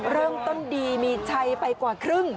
เริ่มต้นดีมีชัยไปกว่าครึ่ง